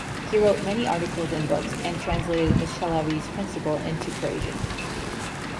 He wrote many articles and books, and translated Machiavelli's "Principe" into Persian.